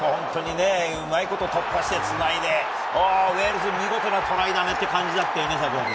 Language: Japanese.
うまいこと突破して繋いで、ウェールズ、見事のトライだね！という感じだったよね、櫻井君。